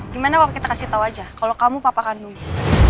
gimana waktu kita kasih tau aja kalau kamu papa kandungnya